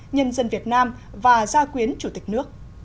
nhân dân việt nam và gia quyến chủ tịch nước